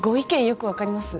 よく分かります